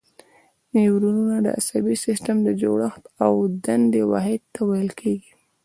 نیورونونه د عصبي سیستم د جوړښت او دندې واحد ته ویل کېږي.